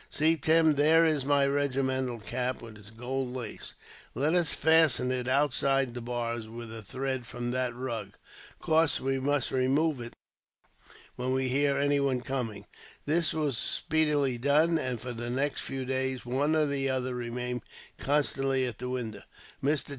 "See, Tim, there is my regimental cap, with its gold lace. Let us fasten it outside the bars, with a thread from that rug. Of course, we must remove it when we hear anyone coming." This was speedily done and, for the next few days, one or other remained constantly at the window. "Mr.